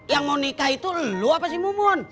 yang mau nikah itu lu apa sih mumun